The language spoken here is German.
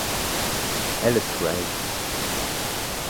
Alice Grant.